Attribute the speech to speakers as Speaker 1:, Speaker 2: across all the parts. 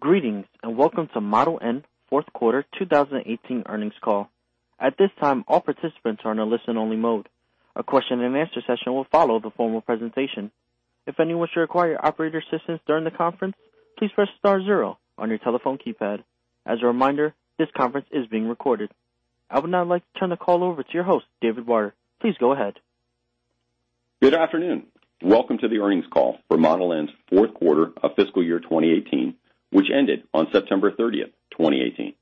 Speaker 1: Greetings, welcome to Model N fourth quarter 2018 earnings call. At this time, all participants are in a listen only mode. A question and answer session will follow the formal presentation. If anyone should require operator assistance during the conference, please press star zero on your telephone keypad. As a reminder, this conference is being recorded. I would now like to turn the call over to your host, David Barter. Please go ahead.
Speaker 2: Good afternoon. Welcome to the earnings call for Model N's fourth quarter of fiscal year 2018, which ended on September 30th, 2018.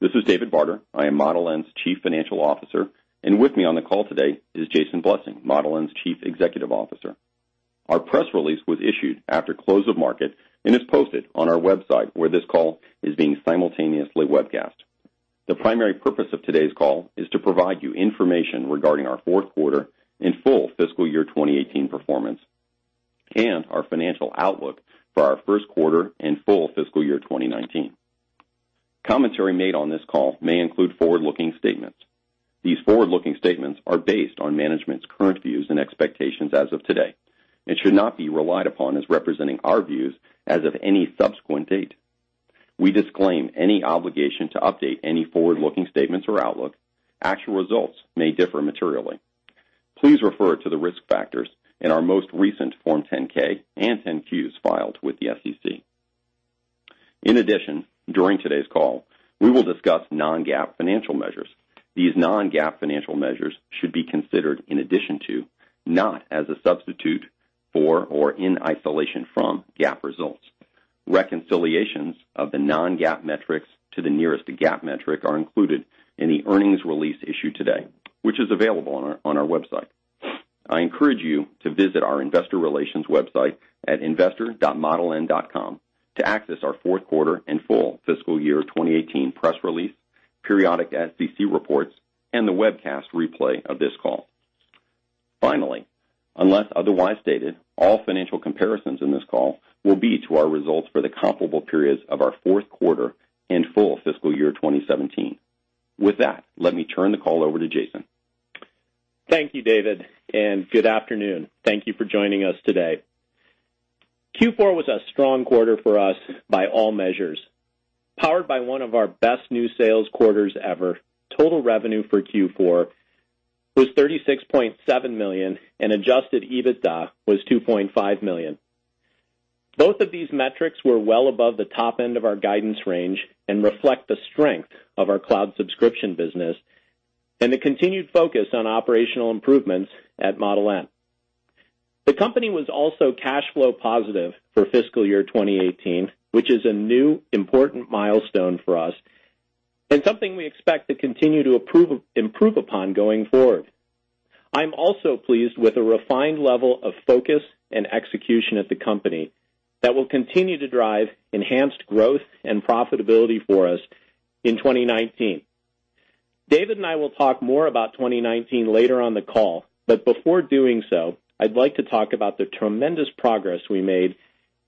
Speaker 2: This is David Barter. I am Model N's Chief Financial Officer, with me on the call today is Jason Blessing, Model N's Chief Executive Officer. Our press release was issued after close of market and is posted on our website, where this call is being simultaneously webcast. The primary purpose of today's call is to provide you information regarding our fourth quarter and full fiscal year 2018 performance, our financial outlook for our first quarter and full fiscal year 2019. Commentary made on this call may include forward-looking statements. These forward-looking statements are based on management's current views and expectations as of today, and should not be relied upon as representing our views as of any subsequent date. We disclaim any obligation to update any forward-looking statements or outlook. Actual results may differ materially. Please refer to the risk factors in our most recent Form 10-K and 10-Qs filed with the SEC. In addition, during today's call, we will discuss non-GAAP financial measures. These non-GAAP financial measures should be considered in addition to, not as a substitute for or in isolation from, GAAP results. Reconciliations of the non-GAAP metrics to the nearest GAAP metric are included in the earnings release issued today, which is available on our website. I encourage you to visit our investor relations website at investor.modeln.com to access our fourth quarter and full fiscal year 2018 press release, periodic SEC reports, and the webcast replay of this call. Finally, unless otherwise stated, all financial comparisons in this call will be to our results for the comparable periods of our fourth quarter and full fiscal year 2017. With that, let me turn the call over to Jason.
Speaker 3: Thank you, David, and good afternoon. Thank you for joining us today. Q4 was a strong quarter for us by all measures. Powered by one of our best new sales quarters ever, total revenue for Q4 was $36.7 million, and adjusted EBITDA was $2.5 million. Both of these metrics were well above the top end of our guidance range and reflect the strength of our cloud subscription business and the continued focus on operational improvements at Model N. The company was also cash flow positive for fiscal year 2018, which is a new important milestone for us and something we expect to continue to improve upon going forward. I'm also pleased with the refined level of focus and execution at the company that will continue to drive enhanced growth and profitability for us in 2019. David and I will talk more about 2019 later on the call. Before doing so, I'd like to talk about the tremendous progress we made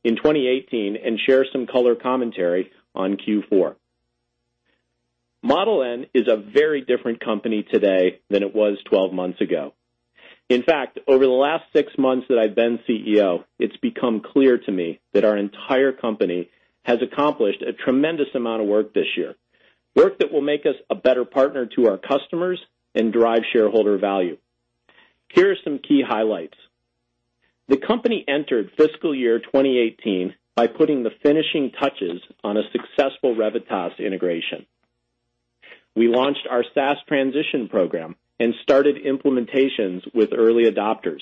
Speaker 3: in 2018 and share some color commentary on Q4. Model N is a very different company today than it was 12 months ago. In fact, over the last six months that I've been CEO, it's become clear to me that our entire company has accomplished a tremendous amount of work this year, work that will make us a better partner to our customers and drive shareholder value. Here are some key highlights. The company entered fiscal year 2018 by putting the finishing touches on a successful Revitas integration. We launched our SaaS transition program and started implementations with early adopters.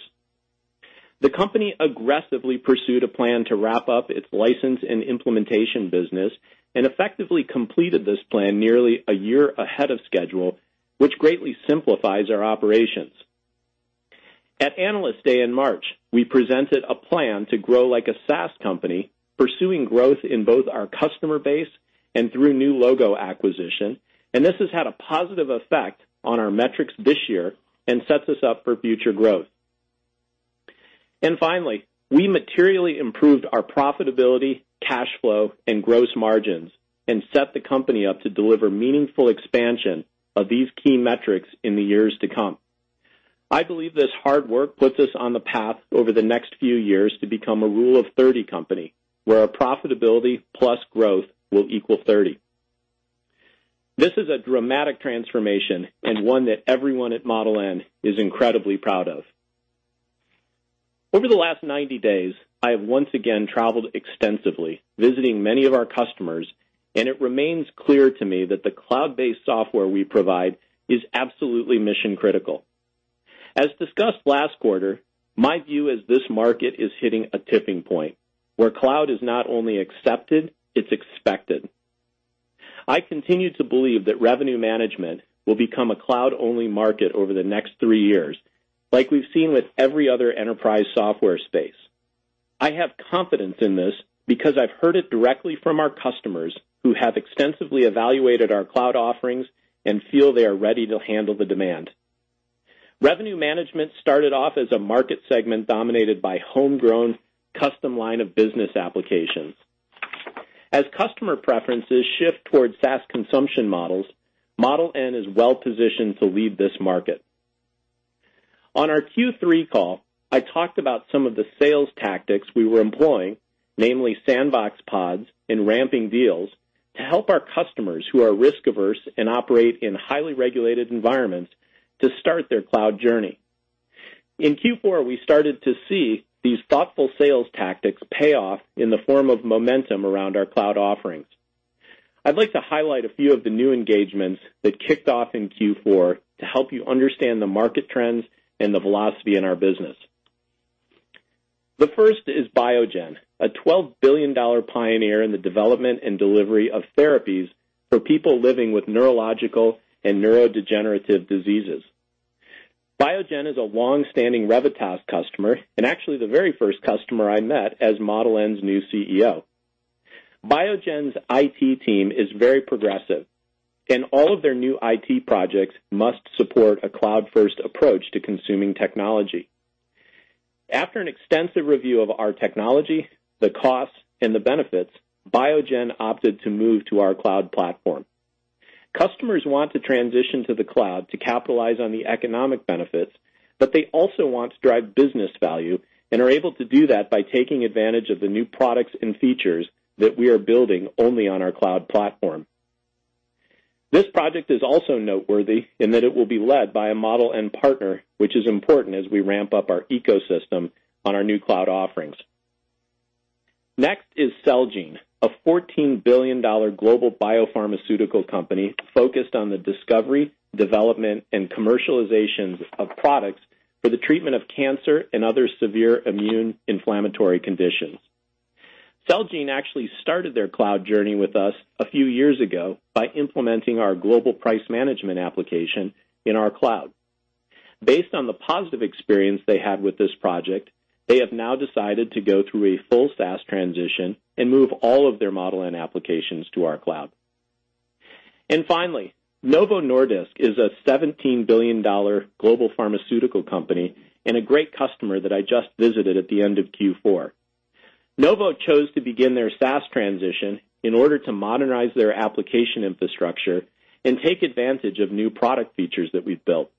Speaker 3: The company aggressively pursued a plan to wrap up its license and implementation business and effectively completed this plan nearly a year ahead of schedule, which greatly simplifies our operations. At Analyst Day in March, we presented a plan to grow like a SaaS company, pursuing growth in both our customer base and through new logo acquisition. This has had a positive effect on our metrics this year and sets us up for future growth. Finally, we materially improved our profitability, cash flow, and gross margins and set the company up to deliver meaningful expansion of these key metrics in the years to come. I believe this hard work puts us on the path over the next few years to become a Rule of 30 company, where our profitability plus growth will equal 30. This is a dramatic transformation and one that everyone at Model N is incredibly proud of. Over the last 90 days, I have once again traveled extensively, visiting many of our customers. It remains clear to me that the cloud-based software we provide is absolutely mission-critical. As discussed last quarter, my view is this market is hitting a tipping point, where cloud is not only accepted, it's expected. I continue to believe that revenue management will become a cloud-only market over the next three years, like we've seen with every other enterprise software space. I have confidence in this because I've heard it directly from our customers who have extensively evaluated our cloud offerings and feel they are ready to handle the demand. Revenue management started off as a market segment dominated by homegrown custom line of business applications. As customer preferences shift towards SaaS consumption models, Model N is well positioned to lead this market. On our Q3 call, I talked about some of the sales tactics we were employing, namely sandbox pods and ramping deals, to help our customers who are risk-averse and operate in highly regulated environments to start their cloud journey. In Q4, we started to see these thoughtful sales tactics pay off in the form of momentum around our cloud offerings. I'd like to highlight a few of the new engagements that kicked off in Q4 to help you understand the market trends and the velocity in our business. The first is Biogen, a $12 billion pioneer in the development and delivery of therapies for people living with neurological and neurodegenerative diseases. Biogen is a longstanding Revitas customer and actually the very first customer I met as Model N's new CEO. Biogen's IT team is very progressive. All of their new IT projects must support a cloud-first approach to consuming technology. After an extensive review of our technology, the costs, and the benefits, Biogen opted to move to our cloud platform. Customers want to transition to the cloud to capitalize on the economic benefits. They also want to drive business value and are able to do that by taking advantage of the new products and features that we are building only on our cloud platform. This project is also noteworthy in that it will be led by a Model N partner, which is important as we ramp up our ecosystem on our new cloud offerings. Next is Celgene, a $14 billion global biopharmaceutical company focused on the discovery, development, and commercialization of products for the treatment of cancer and other severe immune inflammatory conditions. Celgene actually started their cloud journey with us a few years ago by implementing our Global Price Management application in our cloud. Based on the positive experience they had with this project, they have now decided to go through a full SaaS transition and move all of their Model N applications to our cloud. Finally, Novo Nordisk is a $17 billion global pharmaceutical company and a great customer that I just visited at the end of Q4. Novo chose to begin their SaaS transition in order to modernize their application infrastructure and take advantage of new product features that we've built.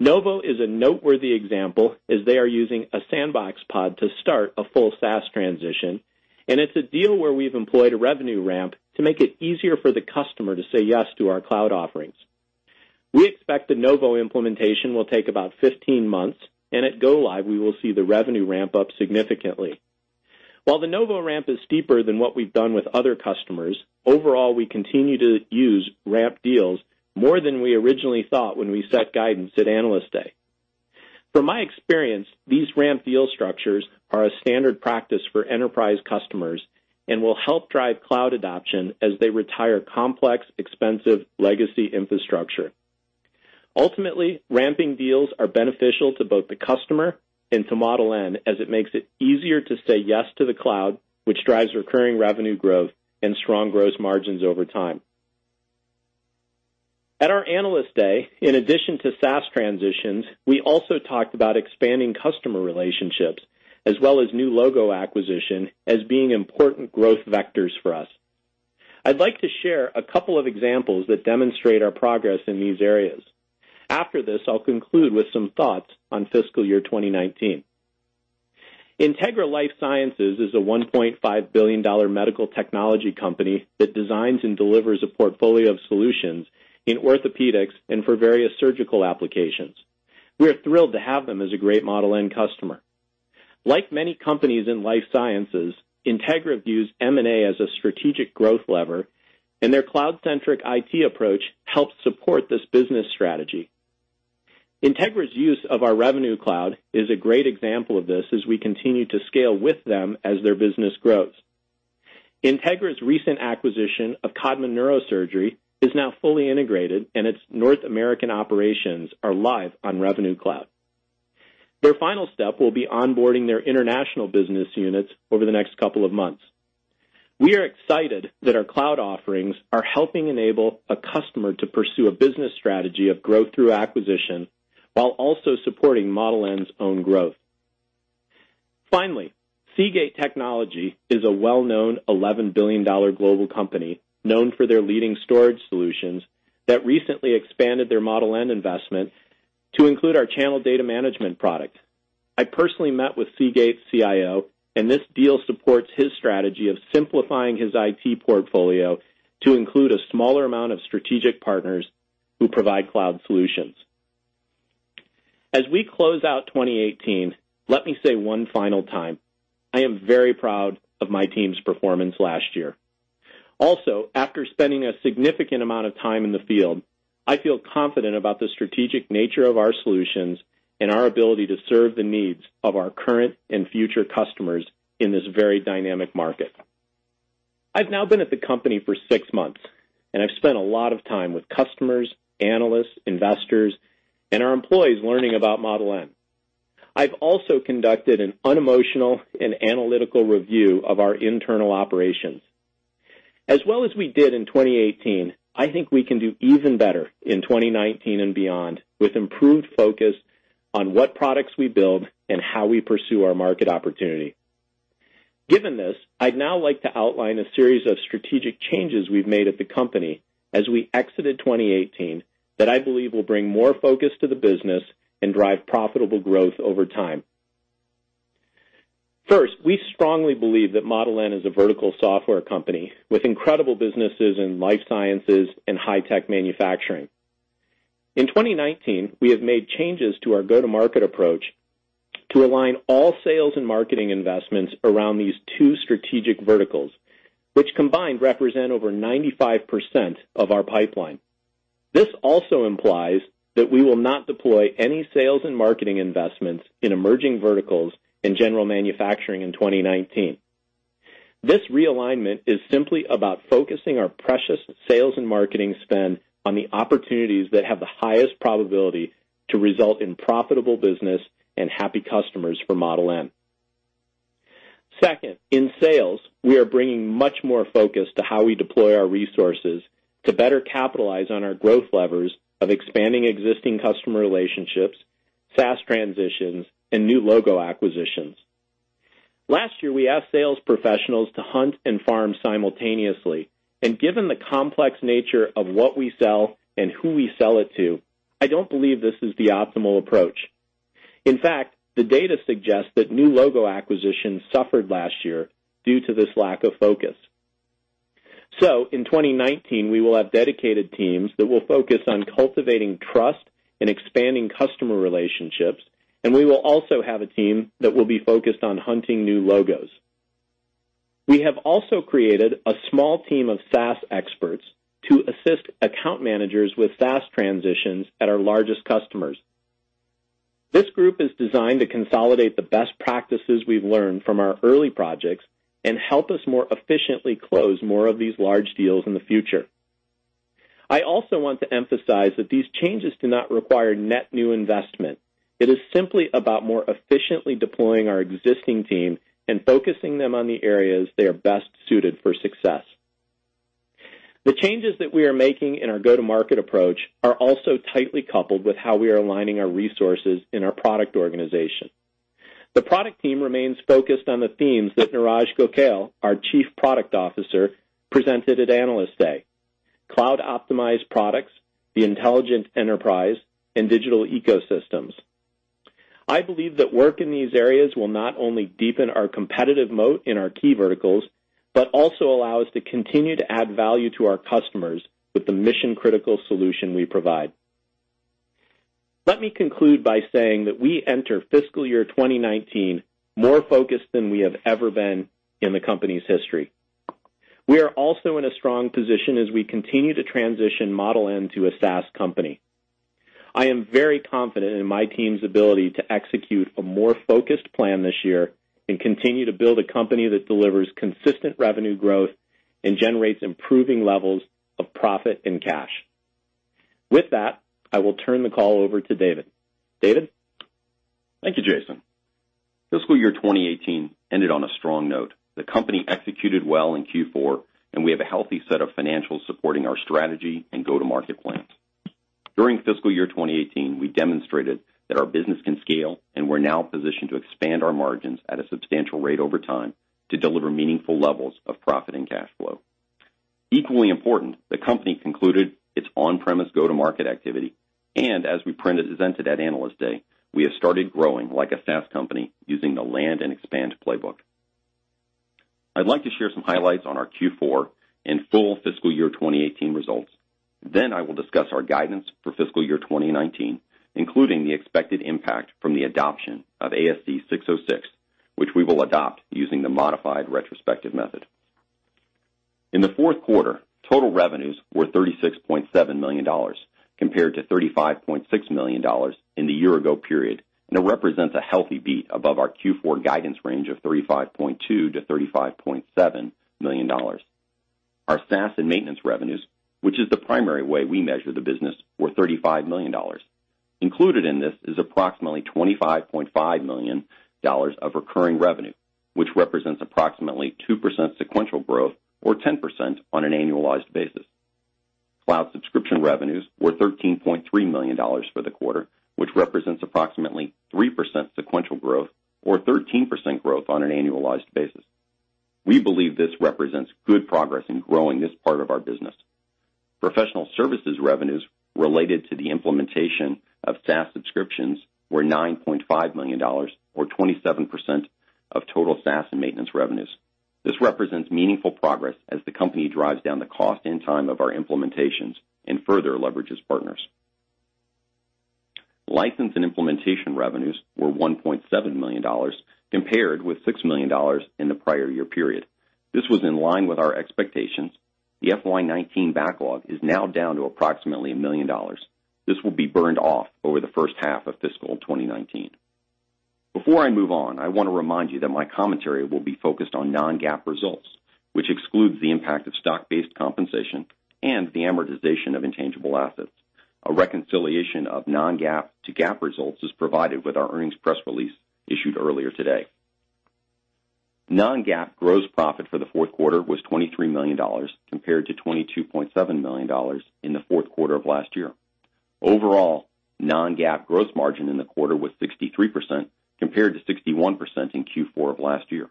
Speaker 3: Novo is a noteworthy example, as they are using a sandbox pod to start a full SaaS transition, and it's a deal where we've employed a revenue ramp to make it easier for the customer to say yes to our cloud offerings. We expect the Novo implementation will take about 15 months. At go-live, we will see the revenue ramp up significantly. While the Novo ramp is steeper than what we've done with other customers, overall, we continue to use ramp deals more than we originally thought when we set guidance at Analyst Day. From my experience, these ramp deal structures are a standard practice for enterprise customers and will help drive cloud adoption as they retire complex, expensive legacy infrastructure. Ultimately, ramping deals are beneficial to both the customer and to Model N, as it makes it easier to say yes to the cloud, which drives recurring revenue growth and strong gross margins over time. At our Analyst Day, in addition to SaaS transitions, we also talked about expanding customer relationships as well as new logo acquisition as being important growth vectors for us. I'd like to share a couple of examples that demonstrate our progress in these areas. After this, I'll conclude with some thoughts on fiscal year 2019. Integra LifeSciences is a $1.5 billion medical technology company that designs and delivers a portfolio of solutions in orthopedics and for various surgical applications. We are thrilled to have them as a great Model N customer. Like many companies in life sciences, Integra views M&A as a strategic growth lever, and their cloud-centric IT approach helps support this business strategy. Integra's use of our Revenue Cloud is a great example of this as we continue to scale with them as their business grows. Integra's recent acquisition of Codman Neurosurgery is now fully integrated, and its North American operations are live on Revenue Cloud. Their final step will be onboarding their international business units over the next couple of months. We are excited that our cloud offerings are helping enable a customer to pursue a business strategy of growth through acquisition while also supporting Model N's own growth. Seagate Technology is a well-known $11 billion global company known for their leading storage solutions that recently expanded their Model N investment to include our Channel Data Management product. I personally met with Seagate's CIO, and this deal supports his strategy of simplifying his IT portfolio to include a smaller amount of strategic partners who provide cloud solutions. As we close out 2018, let me say one final time, I am very proud of my team's performance last year. Also, after spending a significant amount of time in the field, I feel confident about the strategic nature of our solutions and our ability to serve the needs of our current and future customers in this very dynamic market. I've now been at the company for six months. I've spent a lot of time with customers, analysts, investors, and our employees learning about Model N. As well as we did in 2018, I think we can do even better in 2019 and beyond with improved focus on what products we build and how we pursue our market opportunity. Given this, I'd now like to outline a series of strategic changes we've made at the company as we exited 2018, that I believe will bring more focus to the business and drive profitable growth over time. First, we strongly believe that Model N is a vertical software company, with incredible businesses in life sciences and high-tech manufacturing. In 2019, we have made changes to our go-to-market approach to align all sales and marketing investments around these two strategic verticals, which combined represent over 95% of our pipeline. This also implies that we will not deploy any sales and marketing investments in emerging verticals in general manufacturing in 2019. This realignment is simply about focusing our precious sales and marketing spend on the opportunities that have the highest probability to result in profitable business and happy customers for Model N. Second, in sales, we are bringing much more focus to how we deploy our resources to better capitalize on our growth levers of expanding existing customer relationships, SaaS transitions, and new logo acquisitions. Last year, we asked sales professionals to hunt and farm simultaneously. Given the complex nature of what we sell and who we sell it to, I don't believe this is the optimal approach. In fact, the data suggests that new logo acquisitions suffered last year due to this lack of focus. In 2019, we will have dedicated teams that will focus on cultivating trust and expanding customer relationships, and we will also have a team that will be focused on hunting new logos. We have also created a small team of SaaS experts to assist account managers with SaaS transitions at our largest customers. This group is designed to consolidate the best practices we've learned from our early projects and help us more efficiently close more of these large deals in the future. I also want to emphasize that these changes do not require net new investment. It is simply about more efficiently deploying our existing team and focusing them on the areas they are best suited for success. The changes that we are making in our go-to-market approach are also tightly coupled with how we are aligning our resources in our product organization. The product team remains focused on the themes that Neeraj Gokhale, our Chief Product Officer, presented at Analyst Day. Cloud-optimized products, the intelligent enterprise, and digital ecosystems. I believe that work in these areas will not only deepen our competitive moat in our key verticals, but also allow us to continue to add value to our customers with the mission-critical solution we provide. Let me conclude by saying that we enter fiscal year 2019 more focused than we have ever been in the company's history. We are also in a strong position as we continue to transition Model N to a SaaS company. I am very confident in my team's ability to execute a more focused plan this year and continue to build a company that delivers consistent revenue growth and generates improving levels of profit and cash. With that, I will turn the call over to David. David?
Speaker 2: Thank you, Jason. Fiscal year 2018 ended on a strong note. The company executed well in Q4, and we have a healthy set of financials supporting our strategy and go-to-market plans. During fiscal year 2018, we demonstrated that our business can scale, and we're now positioned to expand our margins at a substantial rate over time to deliver meaningful levels of profit and cash flow. Equally important, the company concluded its on-premise go-to-market activity, and as we presented at Analyst Day, we have started growing like a SaaS company using the land and expand playbook. I'd like to share some highlights on our Q4 and full fiscal year 2018 results. Then I will discuss our guidance for fiscal year 2019, including the expected impact from the adoption of ASC 606, which we will adopt using the modified retrospective method. In the fourth quarter, total revenues were $36.7 million, compared to $35.6 million in the year-ago period, and it represents a healthy beat above our Q4 guidance range of $35.2 million-$35.7 million. Our SaaS and maintenance revenues, which is the primary way we measure the business, were $35 million. Included in this is approximately $25.5 million of recurring revenue, which represents approximately 2% sequential growth or 10% on an annualized basis. Cloud subscription revenues were $13.3 million for the quarter, which represents approximately 3% sequential growth or 13% growth on an annualized basis. We believe this represents good progress in growing this part of our business. Professional services revenues related to the implementation of SaaS subscriptions were $9.5 million or 27% of total SaaS and maintenance revenues. This represents meaningful progress as the company drives down the cost and time of our implementations and further leverages partners. License and implementation revenues were $1.7 million compared with $6 million in the prior-year period. This was in line with our expectations. The FY 2019 backlog is now down to approximately $1 million. This will be burned off over the first half of fiscal 2019. Before I move on, I want to remind you that my commentary will be focused on non-GAAP results, which excludes the impact of stock-based compensation and the amortization of intangible assets. A reconciliation of non-GAAP to GAAP results is provided with our earnings press release issued earlier today. Non-GAAP gross profit for the fourth quarter was $23 million, compared to $22.7 million in the fourth quarter of last year. Overall, non-GAAP gross margin in the quarter was 63%, compared to 61% in Q4 of last year.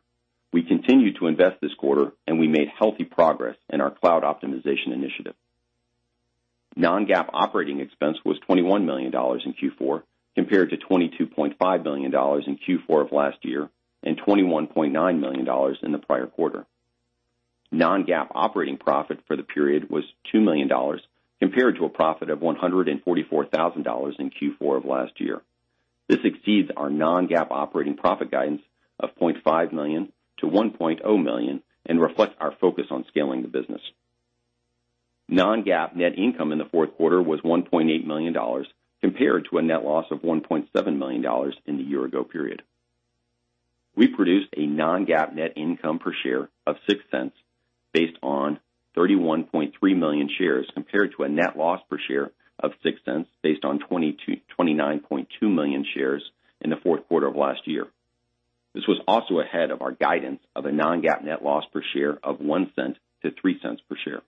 Speaker 2: We continued to invest this quarter, and we made healthy progress in our cloud optimization initiative. Non-GAAP operating expense was $21 million in Q4, compared to $22.5 million in Q4 of last year and $21.9 million in the prior-quarter. Non-GAAP operating profit for the period was $2 million, compared to a profit of $144,000 in Q4 of last year. This exceeds our non-GAAP operating profit guidance of $0.5 million-$1.0 million and reflects our focus on scaling the business. Non-GAAP net income in the fourth quarter was $1.8 million, compared to a net loss of $1.7 million in the year-ago period. We produced a non-GAAP net income per share of $0.06 based on 31.3 million shares, compared to a net loss per share of $0.06 based on 29.2 million shares in the fourth quarter of last year. This was also ahead of our guidance of a non-GAAP net loss per share of $0.01-$0.03 per share.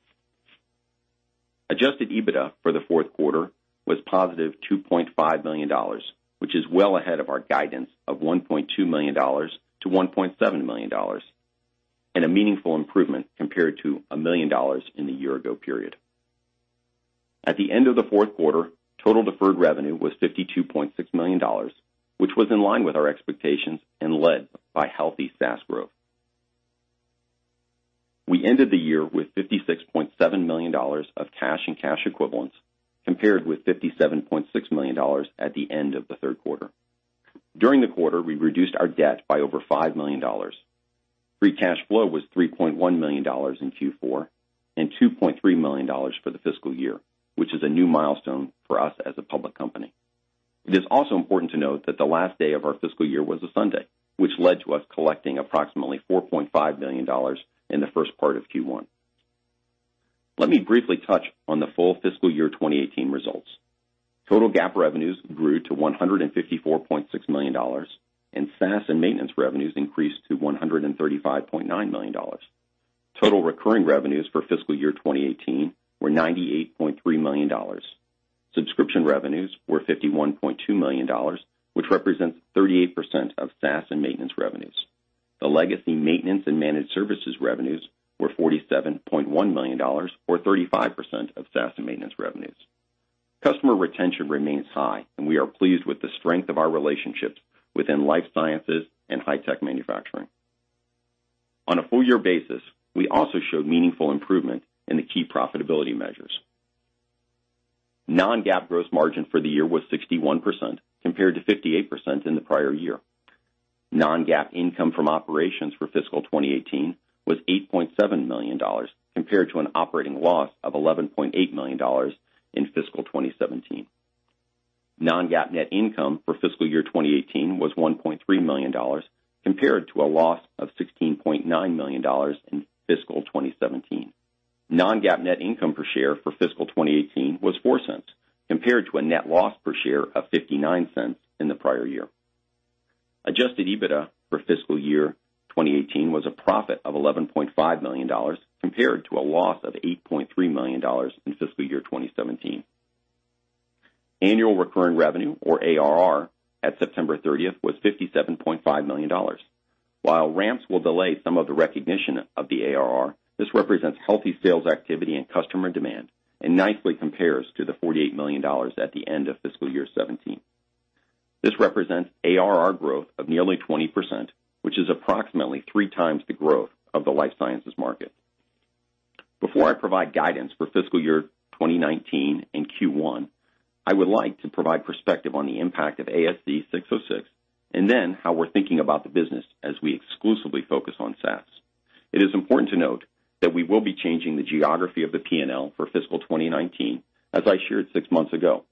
Speaker 2: Adjusted EBITDA for the fourth quarter was positive $2.5 million, which is well ahead of our guidance of $1.2 million-$1.7 million, and a meaningful improvement compared to $1 million in the year-ago period. At the end of the fourth quarter, total deferred revenue was $52.6 million, which was in line with our expectations and led by healthy SaaS growth. We ended the year with $56.7 million of cash and cash equivalents, compared with $57.6 million at the end of the third quarter. During the quarter, we reduced our debt by over $5 million. Free cash flow was $3.1 million in Q4 and $2.3 million for the fiscal year, which is a new milestone for us as a public company. It is also important to note that the last day of our fiscal year was a Sunday, which led to us collecting approximately $4.5 million in the first part of Q1. Let me briefly touch on the full fiscal year 2018 results. Total GAAP revenues grew to $154.6 million, and SaaS and maintenance revenues increased to $135.9 million. Total recurring revenues for fiscal year 2018 were $98.3 million. Subscription revenues were $51.2 million, which represents 38% of SaaS and maintenance revenues. The legacy maintenance and managed services revenues were $47.1 million, or 35% of SaaS and maintenance revenues. Customer retention remains high, and we are pleased with the strength of our relationships within life sciences and high-tech manufacturing. On a full-year basis, we also showed meaningful improvement in the key profitability measures. Non-GAAP gross margin for the year was 61%, compared to 58% in the prior year. Non-GAAP income from operations for fiscal 2018 was $8.7 million, compared to an operating loss of $11.8 million in fiscal 2017. Non-GAAP net income for fiscal year 2018 was $1.3 million, compared to a loss of $16.9 million in fiscal 2017. Non-GAAP net income per share for fiscal 2018 was $0.04, compared to a net loss per share of $0.59 in the prior year. Adjusted EBITDA for fiscal year 2018 was a profit of $11.5 million, compared to a loss of $8.3 million in fiscal year 2017. Annual recurring revenue, or ARR, at September 30th was $57.5 million. While ramps will delay some of the recognition of the ARR, this represents healthy sales activity and customer demand and nicely compares to the $48 million at the end of fiscal year '17. This represents ARR growth of nearly 20%, which is approximately three times the growth of the life sciences market. Before I provide guidance for fiscal year 2019 and Q1, I would like to provide perspective on the impact of ASC 606, and then how we're thinking about the business as we exclusively focus on SaaS. It is important to note that we will be changing the geography of the P&L for fiscal 2019, as I shared six months ago.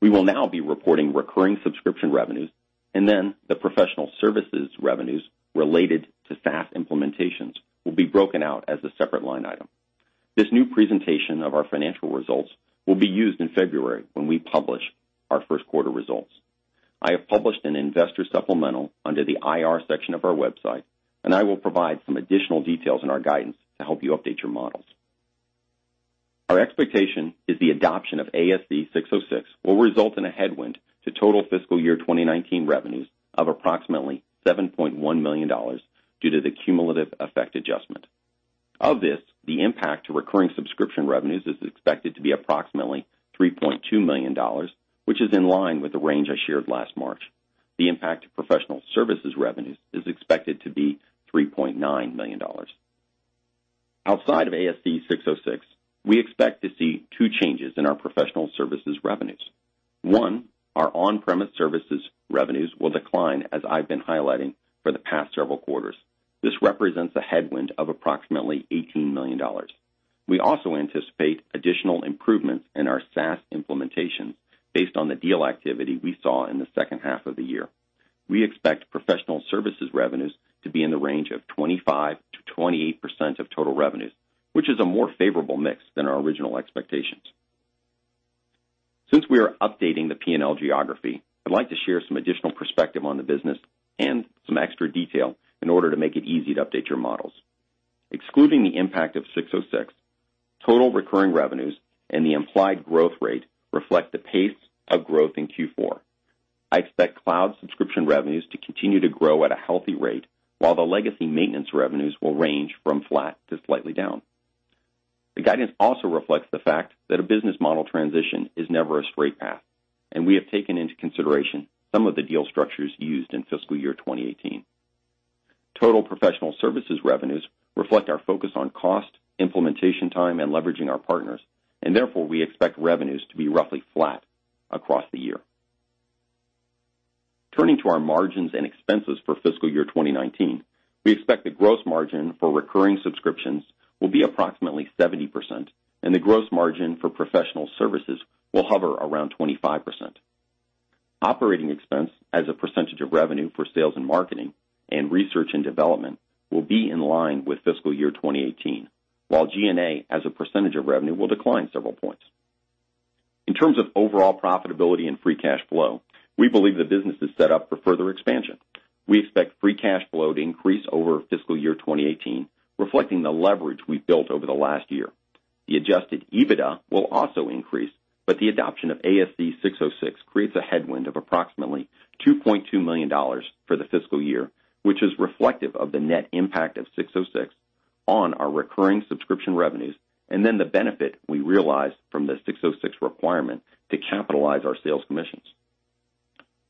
Speaker 2: We will now be reporting recurring subscription revenues, and then the professional services revenues related to SaaS implementations will be broken out as a separate line item. This new presentation of our financial results will be used in February when we publish our first quarter results. I have published an investor supplemental under the IR section of our website, and I will provide some additional details in our guidance to help you update your models. Our expectation is the adoption of ASC 606 will result in a headwind to total fiscal year 2019 revenues of approximately $7.1 million due to the cumulative effect adjustment. Of this, the impact to recurring subscription revenues is expected to be approximately $3.2 million, which is in line with the range I shared last March. The impact to professional services revenues is expected to be $3.9 million. Outside of ASC 606, we expect to see two changes in our professional services revenues. One, our on-premise services revenues will decline as I've been highlighting for the past several quarters. This represents a headwind of approximately $18 million. We also anticipate additional improvements in our SaaS implementation based on the deal activity we saw in the second half of the year. We expect professional services revenues to be in the range of 25%-28% of total revenues, which is a more favorable mix than our original expectations. Since we are updating the P&L geography, I'd like to share some additional perspective on the business and some extra detail in order to make it easy to update your models. Excluding the impact of 606, total recurring revenues and the implied growth rate reflect the pace of growth in Q4. I expect cloud subscription revenues to continue to grow at a healthy rate, while the legacy maintenance revenues will range from flat to slightly down. The guidance also reflects the fact that a business model transition is never a straight path, and we have taken into consideration some of the deal structures used in fiscal year 2018. Total professional services revenues reflect our focus on cost, implementation time, and leveraging our partners, and therefore, we expect revenues to be roughly flat across the year. Turning to our margins and expenses for fiscal year 2019, we expect the gross margin for recurring subscriptions will be approximately 70%, and the gross margin for professional services will hover around 25%. Operating expense as a percentage of revenue for sales and marketing and research and development will be in line with fiscal year 2018, while G&A, as a percentage of revenue, will decline several points. In terms of overall profitability and free cash flow, we believe the business is set up for further expansion. We expect free cash flow to increase over fiscal year 2018, reflecting the leverage we've built over the last year. The adjusted EBITDA will also increase, but the adoption of ASC 606 creates a headwind of approximately $2.2 million for the fiscal year, which is reflective of the net impact of 606 on our recurring subscription revenues, and then the benefit we realized from the 606 requirement to capitalize our sales commissions.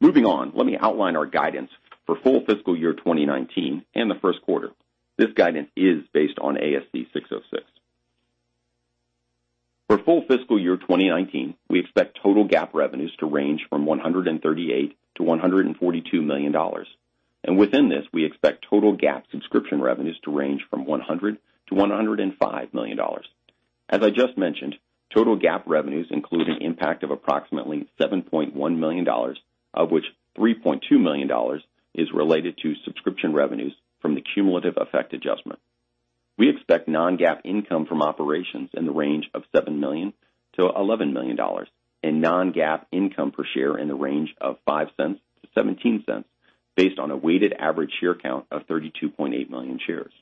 Speaker 2: Moving on, let me outline our guidance for full fiscal year 2019 and the first quarter. This guidance is based on ASC 606. For full fiscal year 2019, we expect total GAAP revenues to range from $138 million-$142 million. Within this, we expect total GAAP subscription revenues to range from $100 million-$105 million. As I just mentioned, total GAAP revenues include an impact of approximately $7.1 million, of which $3.2 million is related to subscription revenues from the cumulative effect adjustment. We expect non-GAAP income from operations in the range of $7 million-$11 million, and non-GAAP income per share in the range of $0.05-$0.17 based on a weighted average share count of 32.8 million shares.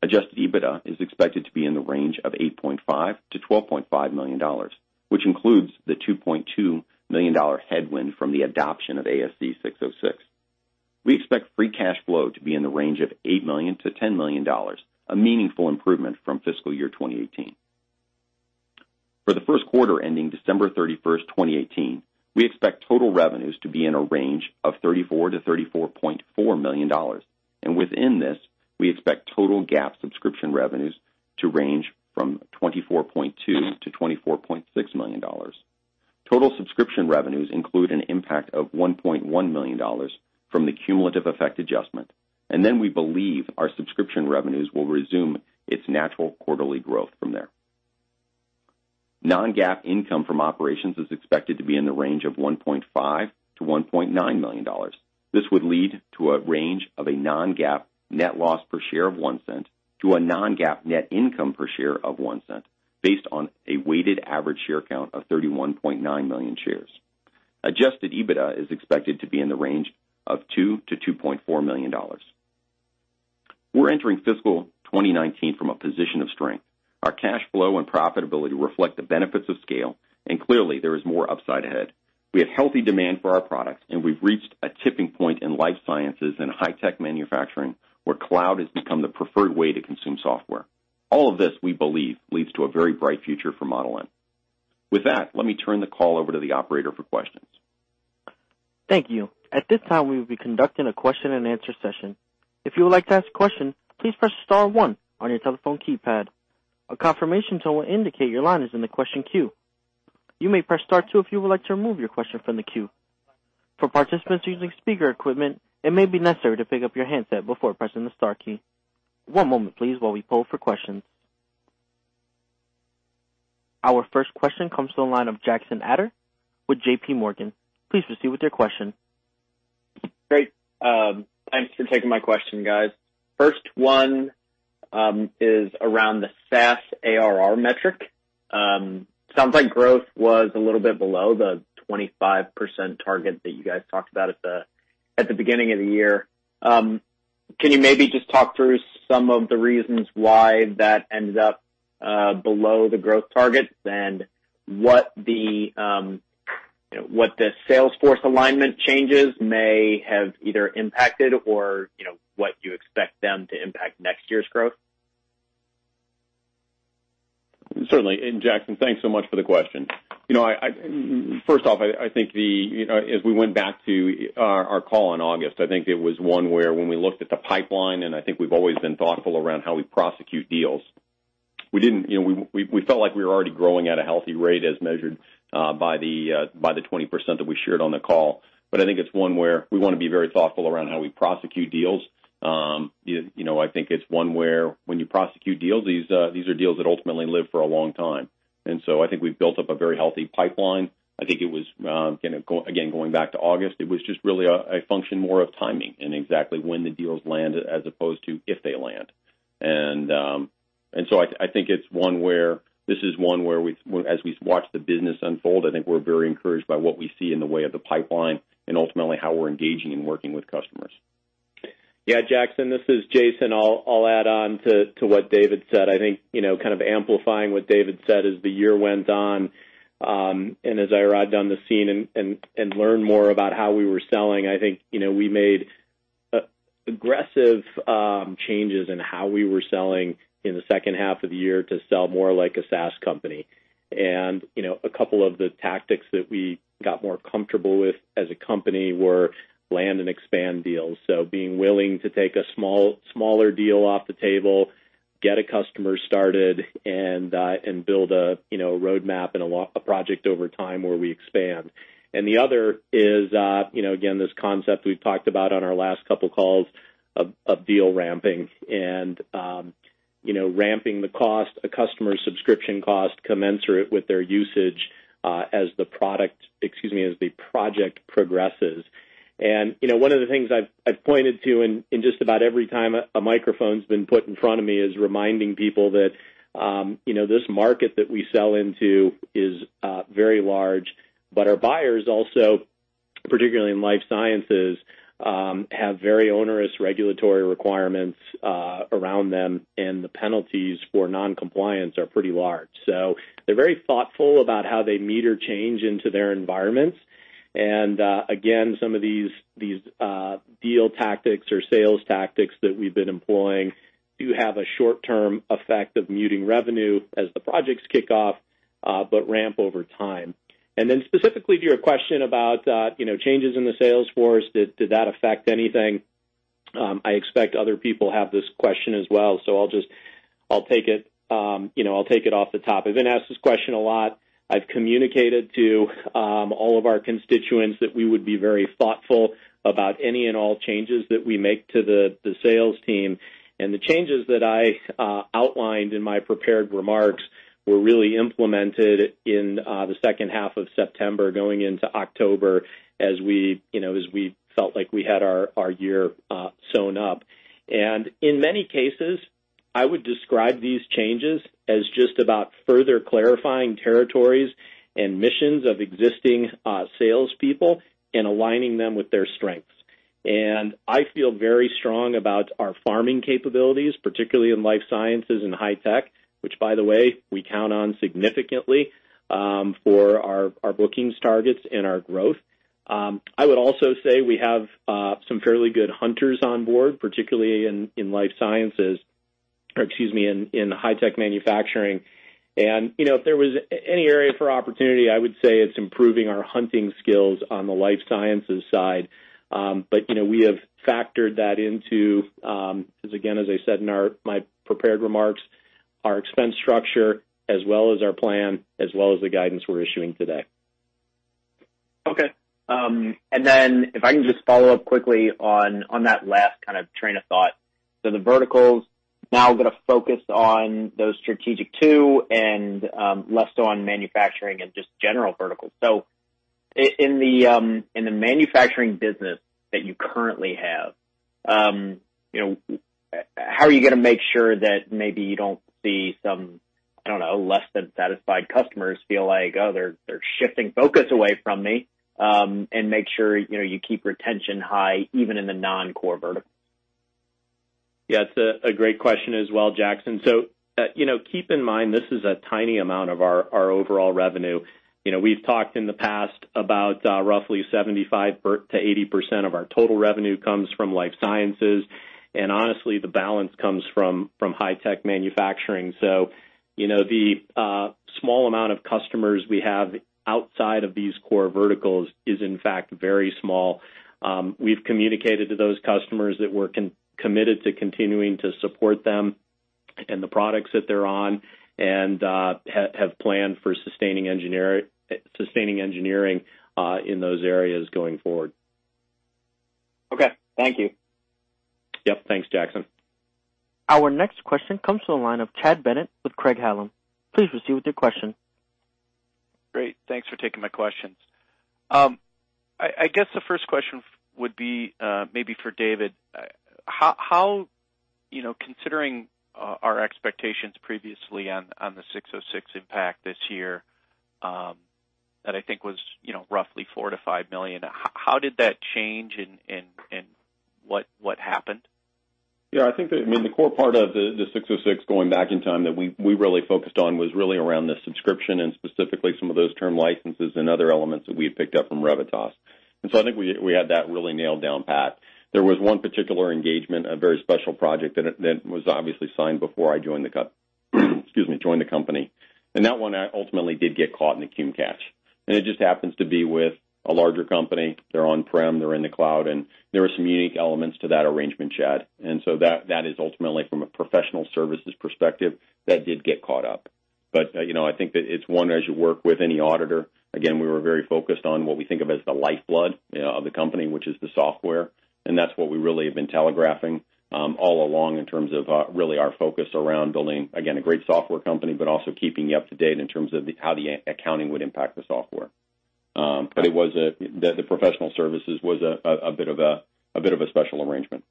Speaker 2: Adjusted EBITDA is expected to be in the range of $8.5 million-$12.5 million, which includes the $2.2 million headwind from the adoption of ASC 606. We expect free cash flow to be in the range of $8 million-$10 million, a meaningful improvement from fiscal year 2018. For the first quarter ending December 31st, 2018, we expect total revenues to be in a range of $34 million-$34.4 million. Within this, we expect total GAAP subscription revenues to range from $24.2 million-$24.6 million. Total subscription revenues include an impact of $1.1 million from the cumulative effect adjustment. We believe our subscription revenues will resume its natural quarterly growth from there. Non-GAAP income from operations is expected to be in the range of $1.5 million-$1.9 million. This would lead to a range of a non-GAAP net loss per share of $0.01 to a non-GAAP net income per share of $0.01, based on a weighted average share count of 31.9 million shares. Adjusted EBITDA is expected to be in the range of $2 million-$2.4 million. We're entering fiscal 2019 from a position of strength. Our cash flow and profitability reflect the benefits of scale. Clearly, there is more upside ahead. We have healthy demand for our products, and we've reached a tipping point in life sciences and high-tech manufacturing, where cloud has become the preferred way to consume software. All of this, we believe, leads to a very bright future for Model N. With that, let me turn the call over to the operator for questions.
Speaker 1: Thank you. At this time, we will be conducting a question and answer session. If you would like to ask a question, please press star one on your telephone keypad. A confirmation tone will indicate your line is in the question queue. You may press star two if you would like to remove your question from the queue. For participants using speaker equipment, it may be necessary to pick up your handset before pressing the star key. One moment, please, while we poll for questions. Our first question comes to the line of Jackson Ader with JPMorgan. Please proceed with your question.
Speaker 4: Great. Thanks for taking my question, guys. First one is around the SaaS ARR metric. Sounds like growth was a little bit below the 25% target that you guys talked about at the beginning of the year. Can you maybe just talk through some of the reasons why that ended up below the growth targets and what the salesforce alignment changes may have either impacted or what you expect them to impact next year's growth?
Speaker 2: Certainly. Jackson, thanks so much for the question. First off, as we went back to our call in August, I think it was one where when we looked at the pipeline, and I think we've always been thoughtful around how we prosecute deals. We felt like we were already growing at a healthy rate as measured by the 20% that we shared on the call. I think it's one where we want to be very thoughtful around how we prosecute deals. I think it's one where when you prosecute deals, these are deals that ultimately live for a long time. I think we've built up a very healthy pipeline. I think it was, again, going back to August, it was just really a function more of timing and exactly when the deals land as opposed to if they land. I think this is one where, as we watch the business unfold, I think we're very encouraged by what we see in the way of the pipeline and ultimately how we're engaging and working with customers.
Speaker 3: Yeah, Jackson, this is Jason. I'll add on to what David said. I think, kind of amplifying what David said, as the year went on, as I arrived on the scene and learned more about how we were selling, I think, we made aggressive changes in how we were selling in the second half of the year to sell more like a SaaS company. A couple of the tactics that we got more comfortable with as a company were land and expand deals. So being willing to take a smaller deal off the table, get a customer started, and build a roadmap and a project over time where we expand. The other is, again, this concept we've talked about on our last couple calls of deal ramping and ramping the cost, a customer subscription cost commensurate with their usage, as the project progresses. One of the things I've pointed to in just about every time a microphone's been put in front of me is reminding people that this market that we sell into is very large, but our buyers also, particularly in life sciences, have very onerous regulatory requirements around them, and the penalties for non-compliance are pretty large. So they're very thoughtful about how they meter change into their environments. Again, some of these deal tactics or sales tactics that we've been employing do have a short-term effect of muting revenue as the projects kick off, but ramp over time. Then specifically to your question about changes in the sales force, did that affect anything? I expect other people have this question as well, so I'll take it off the top. I've been asked this question a lot. I've communicated to all of our constituents that we would be very thoughtful about any and all changes that we make to the sales team. The changes that I outlined in my prepared remarks were really implemented in the second half of September going into October as we felt like we had our year sewn up. In many cases, I would describe these changes as just about further clarifying territories and missions of existing salespeople and aligning them with their strengths. I feel very strong about our farming capabilities, particularly in life sciences and high tech, which by the way, we count on significantly, for our bookings targets and our growth. I would also say we have some fairly good hunters on board, particularly in high tech manufacturing. If there was any area for opportunity, I would say it's improving our hunting skills on the life sciences side. We have factored that into, as again, as I said in my prepared remarks, our expense structure as well as our plan, as well as the guidance we're issuing today.
Speaker 4: Okay. If I can just follow up quickly on that last kind of train of thought. The verticals now are going to focus on those strategic two and less so on manufacturing and just general verticals. In the manufacturing business that you currently have, how are you going to make sure that maybe you don't see some, I don't know, less than satisfied customers feel like, oh, they're shifting focus away from me, and make sure you keep retention high even in the non-core vertical?
Speaker 3: Yeah, it's a great question as well, Jackson. Keep in mind, this is a tiny amount of our overall revenue. We've talked in the past about roughly 75%-80% of our total revenue comes from life sciences, and honestly, the balance comes from high tech manufacturing. The small amount of customers we have outside of these core verticals is, in fact, very small. We've communicated to those customers that we're committed to continuing to support them and the products that they're on and have planned for sustaining engineering in those areas going forward.
Speaker 4: Okay. Thank you.
Speaker 3: Yep. Thanks, Jackson.
Speaker 1: Our next question comes from the line of Chad Bennett with Craig-Hallum. Please proceed with your question.
Speaker 5: Great. Thanks for taking my questions. I guess the first question would be, maybe for David, considering our expectations previously on the 606 impact this year, that I think was roughly $4 million-$5 million, how did that change and what happened?
Speaker 2: I think that the core part of the 606 going back in time that we really focused on was really around the subscription and specifically some of those term licenses and other elements that we had picked up from Revitas. I think we had that really nailed down path. There was one particular engagement, a very special project that was obviously signed before I joined the company. That one ultimately did get caught in the Q catch. It just happens to be with a larger company. They're on-prem, they're in the cloud, and there were some unique elements to that arrangement, Chad. That is ultimately from a professional services perspective that did get caught up. I think that it's one, as you work with any auditor, again, we were very focused on what we think of as the lifeblood of the company, which is the software. That's what we really have been telegraphing all along in terms of really our focus around building, again, a great software company, but also keeping you up to date in terms of how the accounting would impact the software. The professional services was a bit of a special arrangement.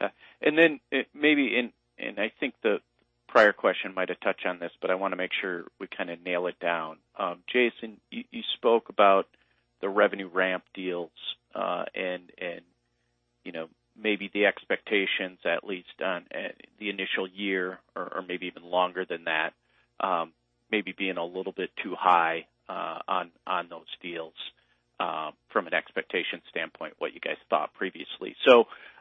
Speaker 5: Okay. Maybe, I think the prior question might have touched on this, but I want to make sure we kind of nail it down. Jason, you spoke about the revenue ramp deals, and maybe the expectations, at least on the initial year or maybe even longer than that, maybe being a little bit too high on those deals from an expectation standpoint, what you guys thought previously.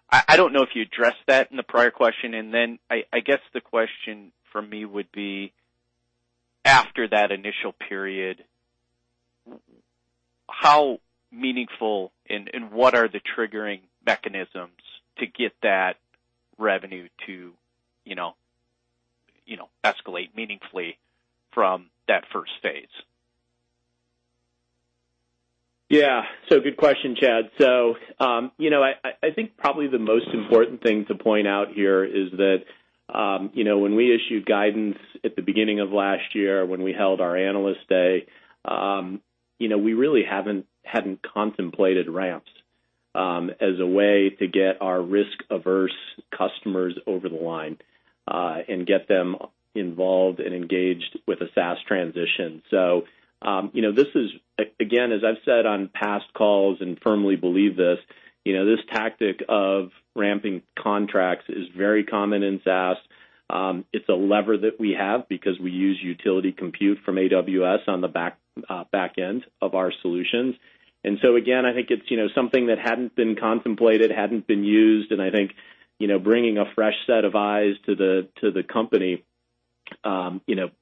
Speaker 5: I don't know if you addressed that in the prior question, I guess the question from me would be, after that initial period, how meaningful and what are the triggering mechanisms to get that revenue to escalate meaningfully from that first phase?
Speaker 3: Yeah. Good question, Chad. I think probably the most important thing to point out here is that when we issued guidance at the beginning of last year, when we held our Analyst Day, we really hadn't contemplated ramps as a way to get our risk-averse customers over the line, and get them involved and engaged with a SaaS transition. This is, again, as I've said on past calls and firmly believe this tactic of ramping contracts is very common in SaaS. It's a lever that we have because we use utility compute from AWS on the back end of our solutions. Again, I think it's something that hadn't been contemplated, hadn't been used, and I think bringing a fresh set of eyes to the company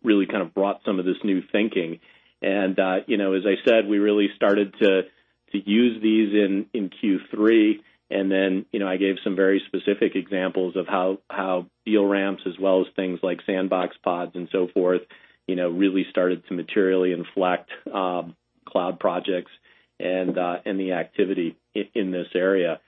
Speaker 3: really kind of brought some of this new thinking. As I said, we really started to use these in Q3. I gave some very specific examples of how deal ramps as well as things like sandbox pods and so forth really started to materially inflect cloud projects and the activity in this area.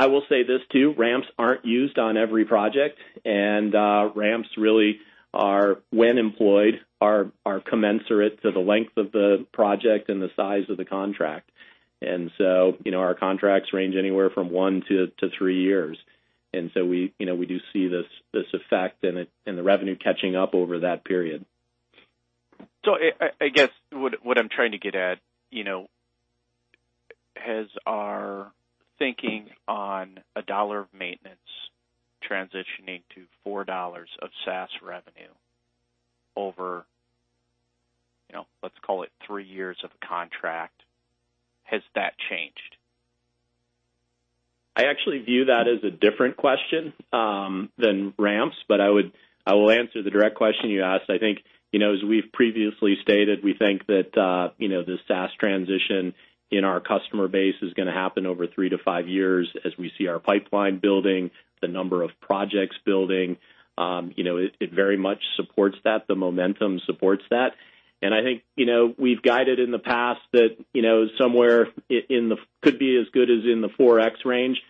Speaker 3: I will say this too, ramps aren't used on every project, ramps really are, when employed, are commensurate to the length of the project and the size of the contract. Our contracts range anywhere from one to three years. We do see this effect and the revenue catching up over that period.
Speaker 5: I guess what I'm trying to get at, has our thinking on a dollar of maintenance transitioning to $4 of SaaS revenue over, let's call it three years of a contract, has that changed?
Speaker 3: I actually view that as a different question than ramps, but I will answer the direct question you asked. I think, as we've previously stated, we think that the SaaS transition in our customer base is going to happen over three to five years as we see our pipeline building, the number of projects building. It very much supports that. The momentum supports that. I think, we've guided in the past that somewhere could be as good as in the 4x range.